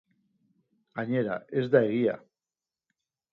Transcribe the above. Gainera, ez da egia.